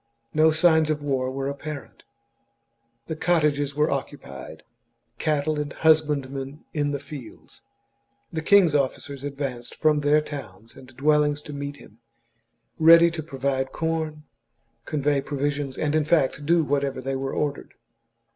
No signs of war were apparent ; the cottages were occu pied, cattle and husbandmen in the fields. The king's officers advanced from their towns and dwell ings to meet him, ready to provide corn, convey pro visions, and in fact to do whatever they were ordered.